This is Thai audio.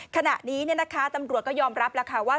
ขณะนี้นะคะตำรวจก็ยอมรับว่า